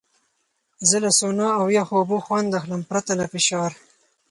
زه له سونا او یخو اوبو خوند اخلم، پرته له فشار.